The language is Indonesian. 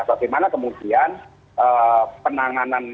bagaimana kemudian penanganan